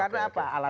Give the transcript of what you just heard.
tunggak sadarkan baik